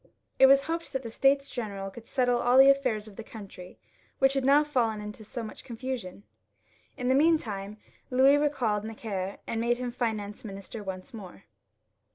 It was hoped that the States General would settle all tJie alfairs of the country, which had now fallen into so much confusion. In the meantime Louis recalled Necker, and made him Finance Minister once more.